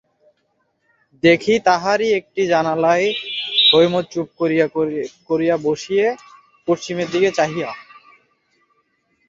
দেখি তাহারই একটি জানলায় হৈম চুপ করিয়া বসিয়া পশ্চিমের দিকে চাহিয়া।